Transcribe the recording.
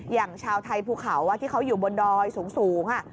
อย่างชาวไทยภูเขาที่เขาอยู่บนดอยสูง